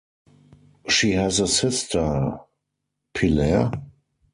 She has a sister, Pilar.